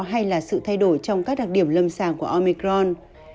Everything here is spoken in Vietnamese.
hay là sự thay đổi trong các đặc điểm lâm sàng của omicron